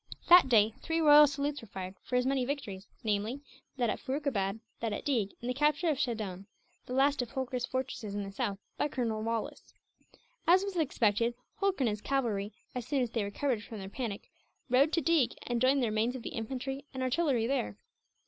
That day three royal salutes were fired, for as many victories; namely, that at Furukabad, that at Deeg, and the capture of Shaddone the last of Holkar's fortresses in the south by Colonel Wallis. As was expected, Holkar and his cavalry, as soon as they recovered from their panic, rode to Deeg and joined the remains of the infantry and artillery there.